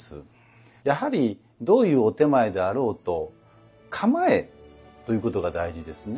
やはりどういうお点前であろうと構えということが大事ですね。